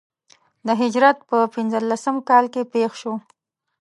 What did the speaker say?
د هجرت په پنځه لسم کال کې پېښ شو.